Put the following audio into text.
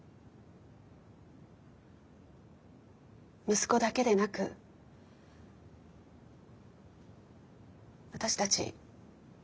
息子だけでなく私たち